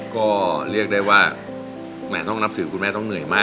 ก็เรียกได้ว่าแหมต้องนับถือคุณแม่ต้องเหนื่อยมาก